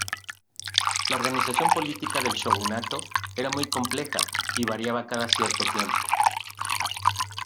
La organización política del shogunato era muy compleja, y variaba cada cierto tiempo.